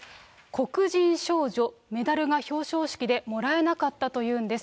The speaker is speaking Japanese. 黒人少女、メダルが表彰式でもらえなかったというんです。